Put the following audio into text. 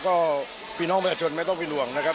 ก็พี่น้องประชาชนไม่ต้องเป็นห่วงนะครับ